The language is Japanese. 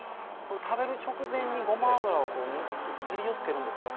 食べる直前にごま油を塗って照りをつけるんですね